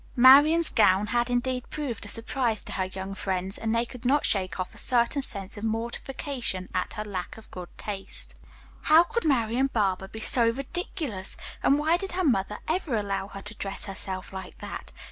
Marian's gown had indeed proved a surprise to her young friends, and they could not shake off a certain sense of mortification at her lack of good taste. "How could Marian Barber be so ridiculous, and why did her mother ever allow her to dress herself like that?"